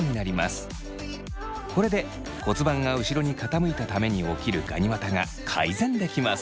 これで骨盤が後ろに傾いたために起きるガニ股が改善できます。